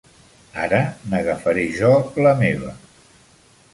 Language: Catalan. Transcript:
Ara n'agafaré jo la meva.